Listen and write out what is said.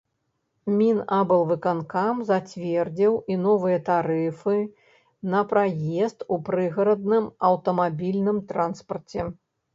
Мінаблвыканкам зацвердзіў і новыя тарыфы на праезд у прыгарадным аўтамабільным транспарце.